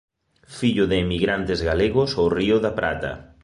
Fillo de emigrantes galegos ao Río da Plata.